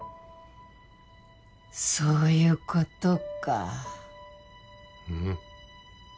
そういうことかうん？